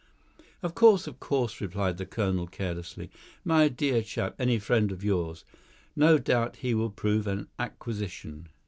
"Of course, of course," replied the colonel carelessly "My dear chap, any friend of yours. No doubt he will prove an acquisition."